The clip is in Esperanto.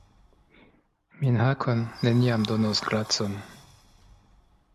Min Hakon neniam donos gracon.